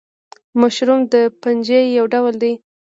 مشروم د فنجي یو ډول دی